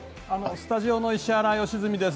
スタジオの石原良純です。